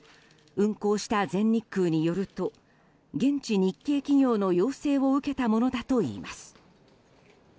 運航した全日空によると現地日系企業の要請を受けたものだといいます。